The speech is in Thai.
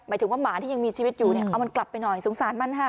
หมายถึงว่าหมาที่ยังมีชีวิตอยู่เนี่ยเอามันกลับไปหน่อยสงสารมันค่ะ